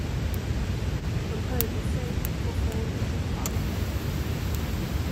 De höjde sig och for utåt havet.